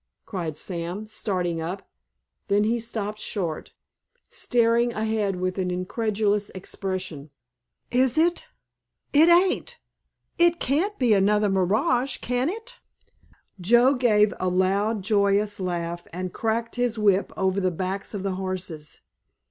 cried Sam, starting up; then he stopped short, staring ahead with an incredulous expression. "Is it—it ain't—it can't be another mirage, can it?" Joe gave a loud, joyous laugh and cracked his whip over the backs of the horses.